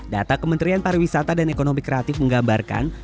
data kementerian pariwisata dan ekonomi kreatif menggambarkan